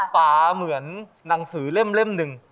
ตาเหมือนหนังสือเล่มหนึ่ง